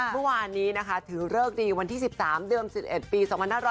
เมื่อวานนี้นะคะถือเลิกดีวันที่๑๓เดิม๑๑ปี๒๕๖๐